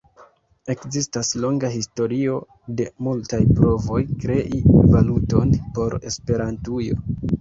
Ekzistas longa historio de multaj provoj krei valuton por Esperantujo.